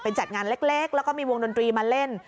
จัดงานเล็กแล้วก็มีวงดนตรีมาเล่น